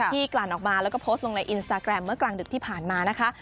กลั่นออกมาแล้วก็โพสต์ลงในอินสตาแกรมเมื่อกลางดึกที่ผ่านมานะคะ